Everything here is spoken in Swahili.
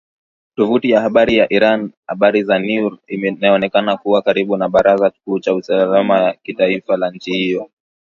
Tovuti ya habari ya Iran, Habari za Neur inayoonekana kuwa karibu na baraza kuu la usalama la taifa la nchi hiyo.